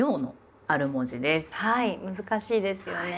難しいですよね。